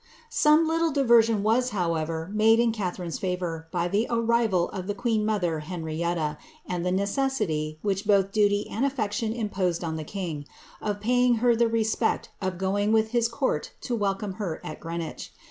Some litile diversion was, however, made in Catharine's favour by the arrival of the queen mother, Henrietta, and the necessity, which both duty and aflection imposed on the king, of paying her the respect of go ing with his court to welcome her at Greenwich.